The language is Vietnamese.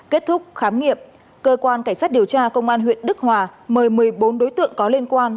kết thúc khám nghiệm cơ quan cảnh sát điều tra công an huyện đức hòa mời một mươi bốn đối tượng có liên quan